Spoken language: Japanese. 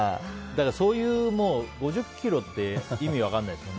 そういう５０ｋｇって意味わからないですよね。